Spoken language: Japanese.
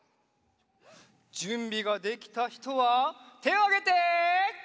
じゅんびができたひとはてをあげて！